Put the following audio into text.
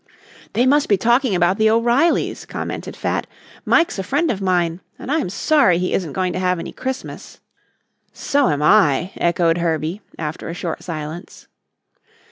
"They must be talking about the O'Reillys," commented Fat. "Mike's a friend of mine and I'm sorry he isn't going to have any Christmas." "So am I," echoed Herbie, after a short silence.